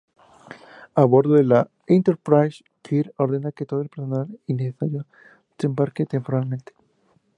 A bordo de la "Enterprise", Kirk ordena que todo el personal innecesario desembarque temporalmente.